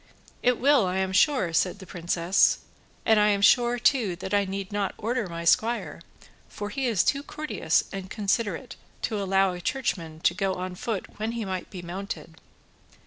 "It will, I am sure," said the princess, "and I am sure, too, that I need not order my squire, for he is too courteous and considerate to allow a Churchman to go on foot when he might be mounted."